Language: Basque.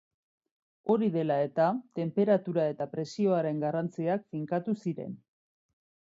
Hori dela eta, tenperatura eta presioaren garrantziak finkatu ziren.